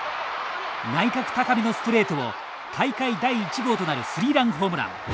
内角高めのストレートを大会第１号となるスリーランホームラン。